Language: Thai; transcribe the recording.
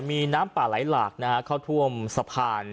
มีน้ำป่าไหลหลากนะฮะเข้าท่วมสะพาน